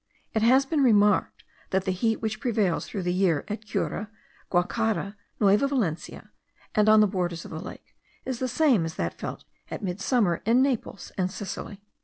It has been remarked, that the heat which prevails throughout the year at Cura, Guacara, Nueva Valencia, and on the borders of the lake, is the same as that felt at midsummer in Naples and Sicily.